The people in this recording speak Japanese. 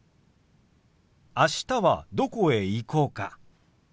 あしたはどこへ行こうか？